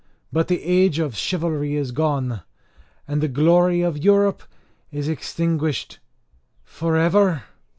But the age of chivalry is gone, and the glory of Europe is extinguished for ever?"